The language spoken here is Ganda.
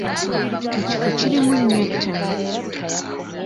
Ekifo kirimu nnyo ettemu.